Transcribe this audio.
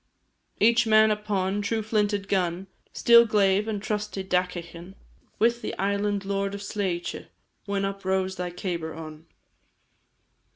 Each man upon, true flinted gun, Steel glaive, and trusty dagaichean; With the Island Lord of Sleitè, When up rose thy cabar on!